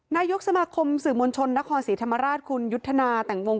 นายกสมาคมสื่อมวลชนนครศรีธรรมราชคุณยุทธนาแต่งวง